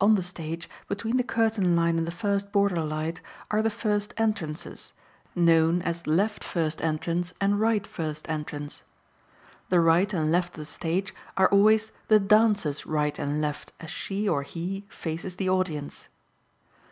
On the stage, between the curtain line and first border light, are the first entrances, known as left first entrance and right first entrance. The right and left of the stage are always the dancer's right and left as she or he faces the audience.